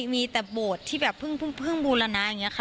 มีแต่โบสถ์ที่แบบเพิ่งบูรณะอย่างนี้ค่ะ